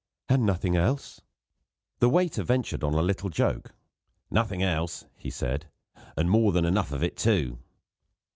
"And nothing else?" The waiter ventured on a little joke. "Nothing else," he said "and more than enough of it, too."